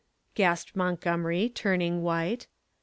gasped Montgomery, turning white.